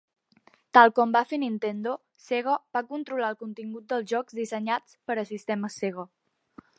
Tal com va fer Nintendo, Sega va controlar el contingut dels jocs dissenyats per a sistemes Sega.